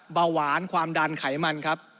เบาหวานความดันไขมันครับ